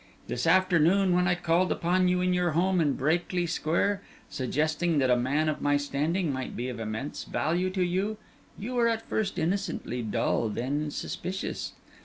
This afternoon when I called upon you in your home in Brakely Square, suggesting that a man of my standing might be of immense value to you, you were at first innocently dull, then suspicious.